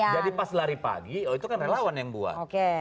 jadi pas lari pagi oh itu kan relawan yang buat